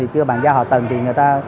chưa bàn giao hạ tầng thì người ta